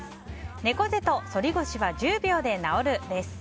「猫背と反り腰は１０秒で治る」です。